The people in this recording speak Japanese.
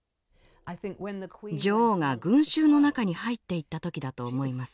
女王が群衆の中に入っていった時だと思います。